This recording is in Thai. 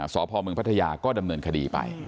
สพมภัทยาก็ดำเนินคดีไป